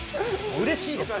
うれしいです。